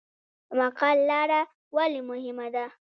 مقر لاره ولې مهمه ده؟